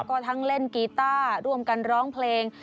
ก็ทั้งเล่นกีต้าร่วมกันร้องเพลง